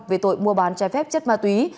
về tội mua bán trái phép chất ma túy